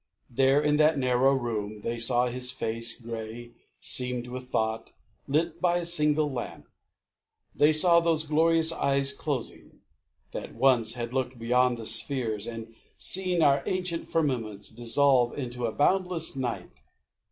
There, in that narrow room, they saw his face Grey, seamed with thought, lit by a single lamp; They saw those glorious eyes Closing, that once had looked beyond the spheres And seen our ancient firmaments dissolve Into a boundless night.